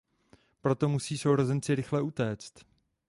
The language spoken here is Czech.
Proto musí sourozenci rychle utéct.